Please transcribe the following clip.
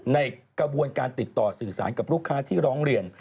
ในกระบวนการติดต่อสื่อสารกับลูกค้าที่ร้องเรียน